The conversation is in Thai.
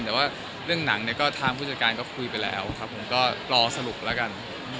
แต่ว่าเรื่องหนังเนี่ยก็ทางผู้จัดการก็คุยไปแล้วครับผมก็รอสรุปแล้วกัน